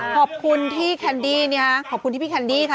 ขอบคุณที่แคนดี้เนี่ยขอบคุณที่พี่แคนดี้ค่ะ